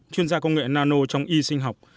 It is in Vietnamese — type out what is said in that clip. chuyên gia công nghệ nano trong y sinh học